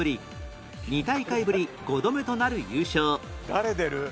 誰出る？